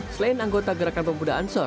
selain anggota gerakan pemuda